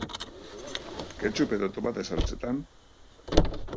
Ketchup edo tomate saltsetan?